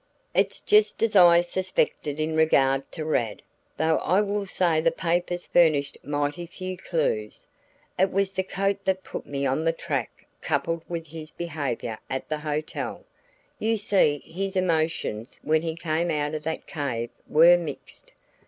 "It's just as I suspected in regard to Rad, though I will say the papers furnished mighty few clues. It was the coat that put me on the track coupled with his behavior at the hotel. You see his emotions when he came out of that cave were mixed.